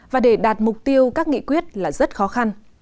và để đạt mục tiêu các nghị quyết là rất khó khăn